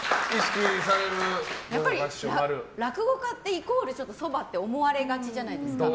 やっぱり、落語家ってイコールそばって思われがちじゃないですか。